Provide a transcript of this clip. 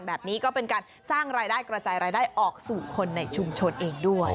แบบนี้ก็เป็นการสร้างรายได้กระจายรายได้ออกสู่คนในชุมชนเองด้วย